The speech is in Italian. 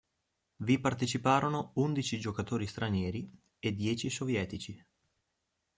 Vi parteciparono undici giocatori stranieri e dieci sovietici.